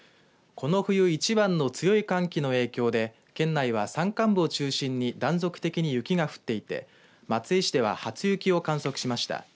この冬一番の強い寒気の影響で県内は山間部を中心に断続的に雪が降っていて松江市では初雪を観測しました。